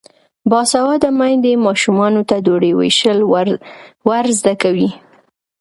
باسواده میندې ماشومانو ته ډوډۍ ویشل ور زده کوي.